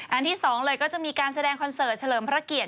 ที่๒เลยก็จะมีการแสดงคอนเสิร์ตเฉลิมพระเกียรติ